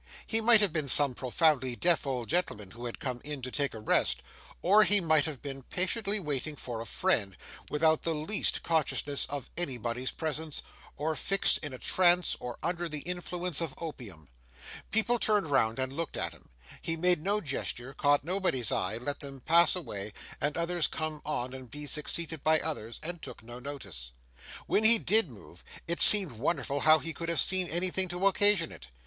He might have been some profoundly deaf old gentleman, who had come in to take a rest, or he might have been patiently waiting for a friend, without the least consciousness of anybody's presence, or fixed in a trance, or under the influence of opium. People turned round and looked at him; he made no gesture, caught nobody's eye, let them pass away, and others come on and be succeeded by others, and took no notice. When he did move, it seemed wonderful how he could have seen anything to occasion it.